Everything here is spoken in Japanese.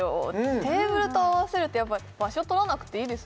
テーブルと合わせるとやっぱ場所取らなくていいですね